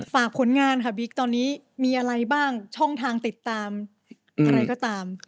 ฝากผลงานค่ะบิ๊กตอนนี้มีอะไรบ้างช่องทางติดตามอะไรก็ตาม